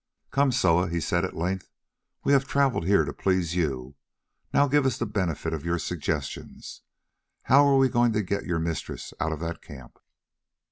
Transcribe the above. "Come, Soa," he said at length, "we have travelled here to please you; now give us the benefit of your suggestions. How are we going to get your mistress out of that camp?"